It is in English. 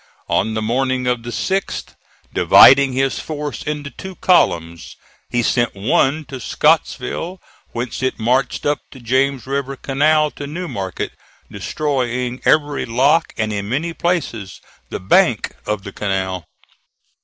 On the morning of the 6th, dividing his force into two columns, he sent one to Scottsville, whence it marched up the James River Canal to New Market, destroying every lock, and in many places the bank of the canal.